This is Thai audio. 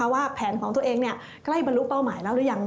ว่าแผนของตัวเองใกล้บรรลุเป้าหมายแล้วหรือยัง